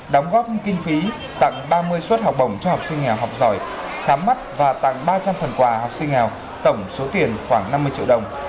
đóng góp kinh phí tặng ba mươi suất học bổng cho học sinh nghèo học giỏi khám mắt và tặng ba trăm linh phần quà học sinh nghèo tổng số tiền khoảng năm mươi triệu đồng